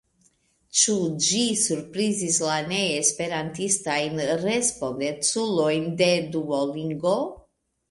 Ĉu ĝi surprizis la neesperantistajn respondeculojn de Duolingo?